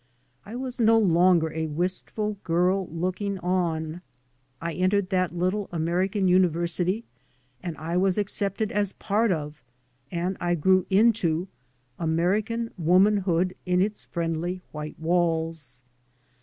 I was no longer a wistful girl looking on. I entered that little American university, and I was accepted as part of, and I grew into, American womanhood in its friendly white walls.